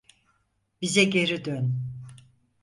Bize geri dön.